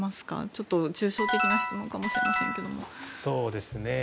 ちょっと抽象的な質問かもしれませんけども。